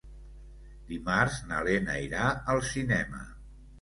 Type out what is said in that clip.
Dimarts na Lena irà al cinema.